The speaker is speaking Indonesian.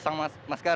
lupa pakai masker